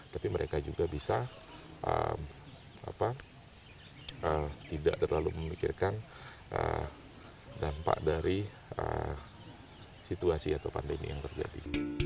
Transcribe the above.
tapi mereka juga bisa tidak terlalu memikirkan dampak dari situasi atau pandemi yang terjadi